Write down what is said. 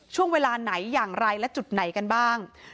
ช่วงเวลาไหนอย่างไรและจุดไหนกันบ้าง